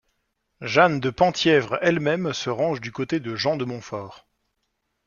Jeanne de Penthièvre elle-même se range du côté de Jean de Montfort.